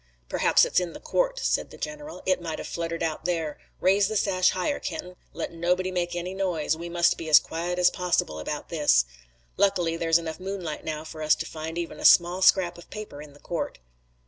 "Perhaps it's in the court," said the general. "It might have fluttered out there. Raise the sash higher, Kenton. Let nobody make any noise. We must be as quiet as possible about this. Luckily there's enough moonlight now for us to find even a small scrap of paper in the court."